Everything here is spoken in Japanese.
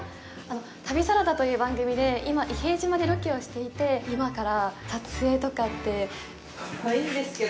旅サラダという番組で、今、伊平屋島でロケをしていて、今から撮影とかっていいですけど。